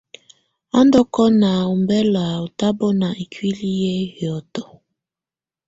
A ndù ɔkɔna ɔmbɛla tabɔna ikuili ƴɛ hiɔtɔ.